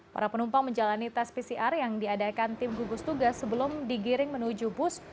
para penumpang menjalani tes pcr yang diadakan tim gugus tugas sebelum digiring menuju bus